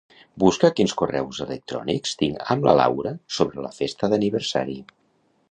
Busca quins correus electrònics tinc amb la Laura sobre la festa d'aniversari.